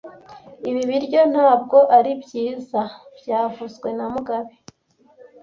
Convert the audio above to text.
Ibi biryo ntabwo ari byiza byavuzwe na mugabe